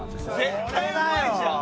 絶対うまいじゃん！